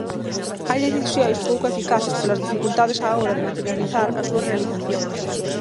Hai decisións pouco eficaces polas dificultades á hora de materializar a súa realización.